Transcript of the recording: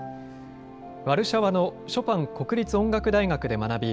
ワルシャワのショパン国立音楽大学で学び